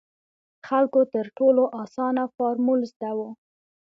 خلکو تر ټولو اسانه فارمول زده وو.